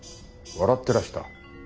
笑ってらした？